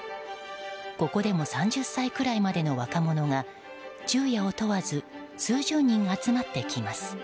ここでも３０歳くらいまでの若者が昼夜を問わず数十人集まってきます。